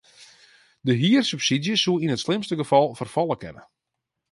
De hiersubsydzje soe yn it slimste gefal ferfalle kinne.